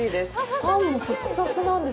パンも、サクサクなんです。